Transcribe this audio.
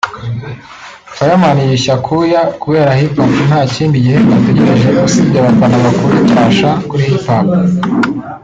Fireman yiyushye akuya kubera HipHop ntakindi gihembo ategereje usibye abafana bakura icyasha kuri Hip Hop